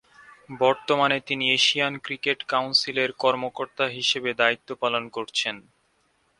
বর্তমানে তিনি Asian cricket কাউন্সিলের কর্মকর্তা হিসেবে দায়িত্ব পালন করছেন।